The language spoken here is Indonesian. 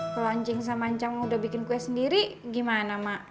kalo encing sama encang udah bikin kue sendiri gimana mak